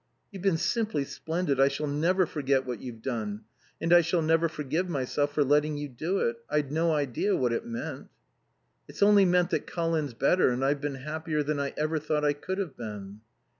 "You've been simply splendid. I shall never forget what you've done. And I shall never forgive myself for letting you do it. I'd no idea what it meant." "It's only meant that Colin's better and I've been happier than I ever thought I could have been."